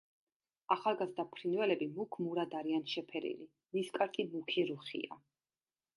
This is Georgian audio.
ახალგაზრდა ფრინველები მუქ მურად არიან შეფერილი, ნისკარტი მუქი რუხია.